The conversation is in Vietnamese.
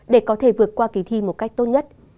để có thể vượt qua kỳ thi một cách tốt nhất